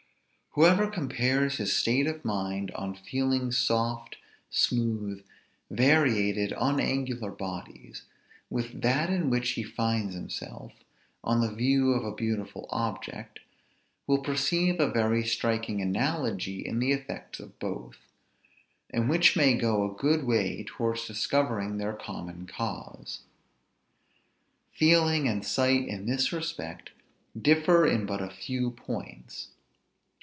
Whoever compares his state of mind, on feeling soft, smooth, variated, unangular bodies, with that in which he finds himself, on the view of a beautiful object, will perceive a very striking analogy in the effects of both; and which may go a good way towards discovering their common cause. Feeling and sight, in this respect, differ in but a few points.